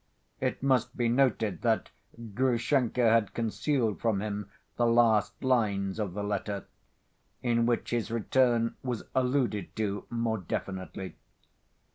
It must be noted that Grushenka had concealed from him the last lines of the letter, in which his return was alluded to more definitely.